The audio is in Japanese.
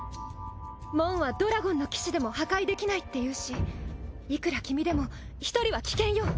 門はドラゴンの騎士でも破壊できないっていうしいくら君でも１人は危険よ。